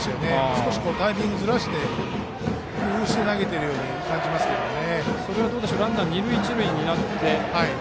少しタイミングをずらして工夫しているように見えますね。